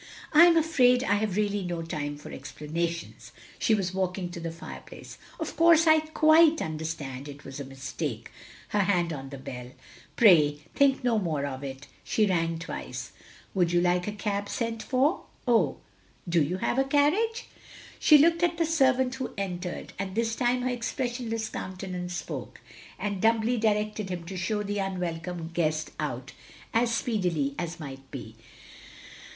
" I am afraid I have really no time for expla nations —she was walking to the fireplace, "of course I quite understand it was a mistake," her hand on the bell. "Pray think no more of it." She rang twice. " Would you like a cab sent for? — oh, you have a carriage. " She looked at the servant who entered, and this time her expressionless countenance spoke, and dtmibly directed him to show the unwelcome guest out as speedily as might be.